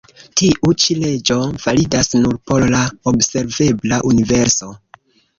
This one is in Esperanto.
Tiu-ĉi leĝo validas nur por la observebla universo.